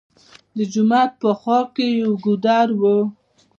د جومات په خوا کښې يو ګودر وو